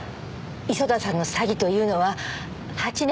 磯田さんの詐欺というのは８年前の。